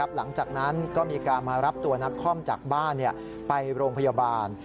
หลังจากนั้นก็มีการมารับตัวนักคอมจากบ้านไปโรงพยาบาล